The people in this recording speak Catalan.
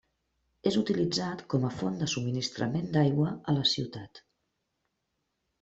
És utilitzat com a font de subministrament d'aigua a la ciutat.